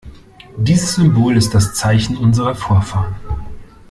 Dieses Symbol ist das Zeichen unserer Vorfahren.